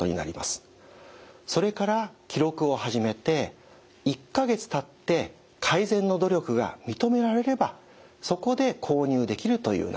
それから記録を始めて１か月たって改善の努力が認められればそこで購入できるという流れです。